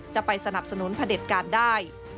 จะไปสนับสนุนผดัดการได้